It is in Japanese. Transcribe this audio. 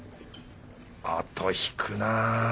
あと引くなぁ。